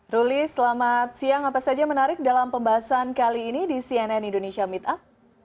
ruli selamat siang apa saja menarik dalam pembahasan kali ini di cnn indonesia meetup